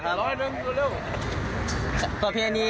ก็เพราะแผนนี้